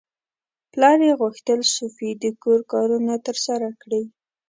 پلار یې غوښتل سوفي د کور کارونه ترسره کړي.